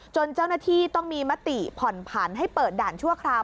เจ้าหน้าที่ต้องมีมติผ่อนผันให้เปิดด่านชั่วคราว